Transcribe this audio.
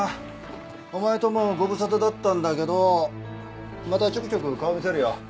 お前ともご無沙汰だったんだけどまたちょくちょく顔見せるよ。